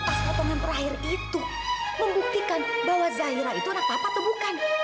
tas potongan terakhir itu membuktikan bahwa zahira itu anak bapak atau bukan